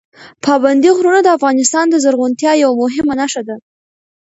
پابندي غرونه د افغانستان د زرغونتیا یوه مهمه نښه ده.